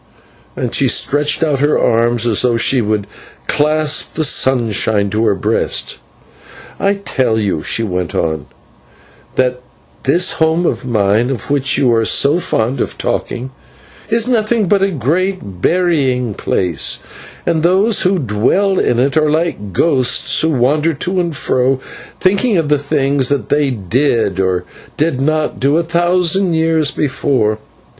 and she stretched out her arms as though she would clasp the sunshine to her breast. "I tell you," she went on, "that this home of mine, of which you are so fond of talking, is nothing but a great burying place, and those who dwell in it are like ghosts who wander to and fro thinking of the things that they did, or did not do, a thousand years before.